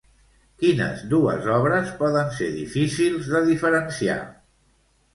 Quines dues obres poden ser difícils de diferenciar?